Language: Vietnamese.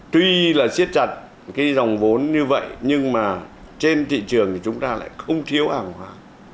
tuy là siết chặt cái dòng vốn như vậy nhưng mà trên thị trường thì chúng ta lại không thiếu hàng hóa